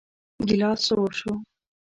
ګيلاس سوړ شو.